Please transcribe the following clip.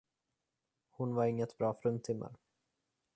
Hon var inget bra fruntimmer.